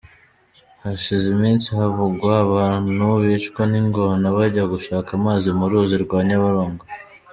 Hashize iminsi havugwa abantu bicwa n'ingona bajya gushaka amazi mu ruzi rwa Nyabarongo.